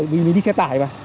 mình đi xe tải mà